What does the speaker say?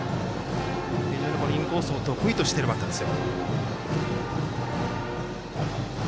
非常にインコースを得意としているバッターです。